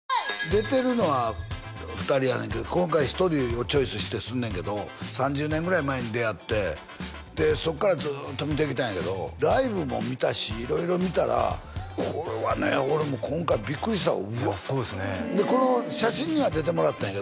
出てるのは２人やねんけど今回１人をチョイスしてすんねんけど３０年ぐらい前に出会ってでそっからずっと見てきたんやけどライブも見たし色々見たらこれはね俺今回ビックリしたこの写真には出てもらったんやけどね